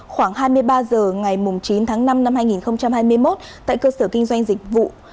khoảng hai mươi ba h ngày chín tháng năm năm hai nghìn hai mươi một tại cơ sở kinh doanh dịch vụ